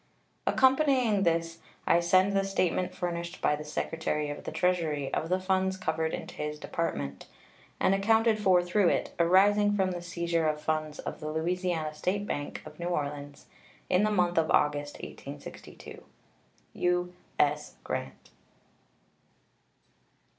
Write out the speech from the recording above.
Accompanying this I send the statement furnished by the Secretary of the Treasury of the funds covered into his Department, and accounted for through it, arising from the seizure of funds of the Louisiana State Bank of New Orleans in the month of August, 1862. U.S. GRANT.